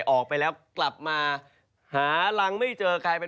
ออกไปแล้วกลับมาหารังไม่เจอใคร